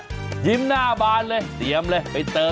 ไปเติมน้ำมันเพราะน้ำมันลดใช่ไหม